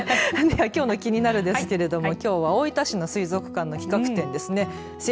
きょうのキニナル！ですけれどもきょうは大分市の水族館の企画展です。